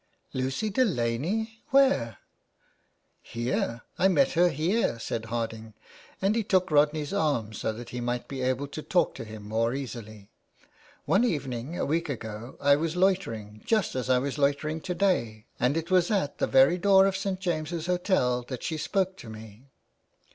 '* Lucy Delaney ? Where ?"" Here, I met her here," said Harding, and he took Rodney's arm so that he might be able to talk to him more easily. " One evening, a week ago, I was loitering, just as I was loitering to day, and it was at the very door of St. James's Hotel that she spoke to me."